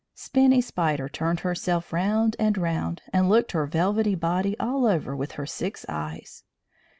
Spinny Spider turned herself round and round, and looked her velvety body all over with her six eyes.